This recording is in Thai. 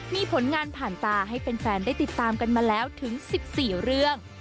มีผลงานผ่านตาให้แฟนได้ติดตามกันมาแล้วถึง๑๔เรื่อง